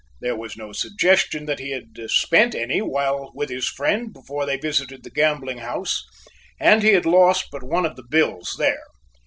There was no suggestion that he had spent any while with his friend before they visited the gambling house, and he had lost but one of the bills there.